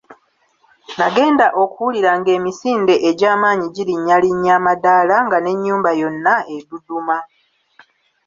Nagenda okuwulira ng'emisinde egy'amaanyi girinnyalinya amadaala nga n'ennyumba yonna edduduma.